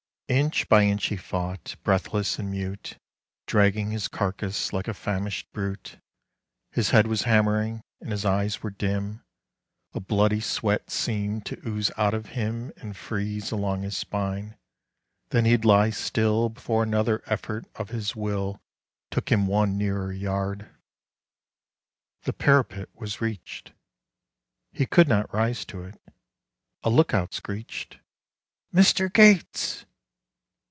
Inch by inch he fought, breathless and mute, Dragging his carcase like a famished brute.... His head was hammering, and his eyes were dim; A bloody sweat seemed to ooze out of him And freeze along his spine.... Then he'd lie still Before another effort of his will Took him one nearer yard. The parapet was reached. He could not rise to it. A lookout screeched: "Mr. Gates!"